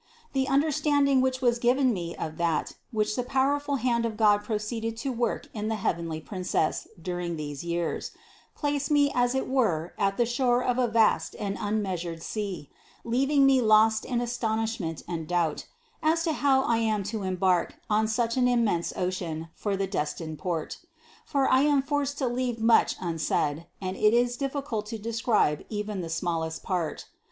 The understanding which was given me of that, which the powerful hand of God proceeded to work in the heavenly Princess during these years, place me as it were at the shore of a vast and unmeasured sea, leaving me lost in astonishment and doubt as to how I am to em bark on such an immense ocean for the destined port. For I am forced to leave much unsaid, and it is difficult to describe even the smallest part.